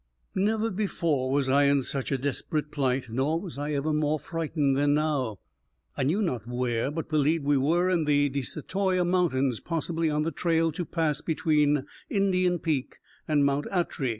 _ Never before was I in such a desperate plight, nor was I ever more frightened than now. I knew not where, but believed we were in the De Satoyta Mountains, possibly on the trail to pass between Indian Peak and Mt. Atry.